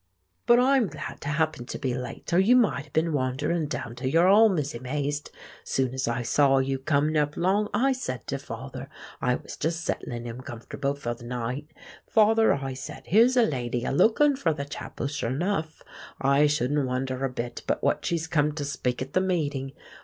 "But I'm glad I happen to be late, or you might ha' been wanderin' around till you're all mizzy mazed. Soon as I saw you comin' up 'long, I said to father—I was jes' settlin' 'im comfor'ble for th' night—'Father,' I said, 'here's a lady a lookin' fur the chapel, sure 'nough. I shuden wonder a bit but what she's come to speak at th' meeting.